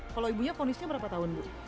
kalau ibunya kondisinya berapa tahun